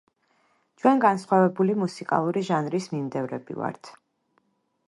ჩვენ განსხვავებული მუსიკალური ჟანრის მიმდევრები ვართ.